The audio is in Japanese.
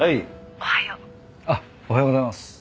「おはよう」あっおはようございます。